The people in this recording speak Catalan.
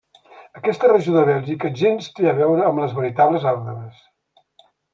Aquesta regió de Bèlgica gens té a veure amb les veritables Ardenes.